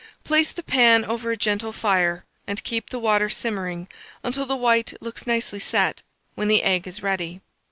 Place the pan over a gentle fire, and keep the water simmering until the white looks nicely set, when the egg is ready.